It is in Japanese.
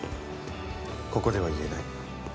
ここでは言えない。